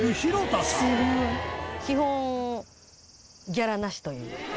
基本ギャラなしという。